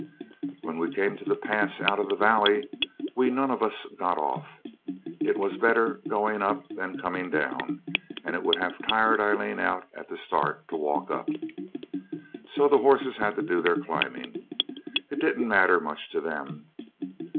When we came to the pass out of the valley, we none of us got off; it was better going up than coming down, and it would have tired Aileen out at the start to walk up. So the horses had to do their climbing. It didn't matter much to them.